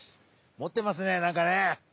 もってますねなんかね。